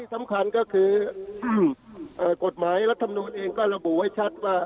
ที่สำคัญก็คือกฎหมายและธรรมนุษย์เองก็ระบุไว้ชัดว่า